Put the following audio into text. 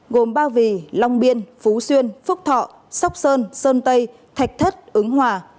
gồm ba vì long biên phú xuyên phúc thọ sóc sơn sơn tây thạch thất ứng hòa